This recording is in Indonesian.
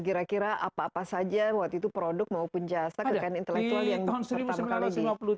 kira kira apa apa saja waktu itu produk maupun jasa kekayaan intelektual yang pertama kali diperlukan